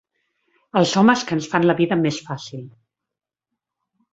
Els homes que ens fan la vida més fàcil.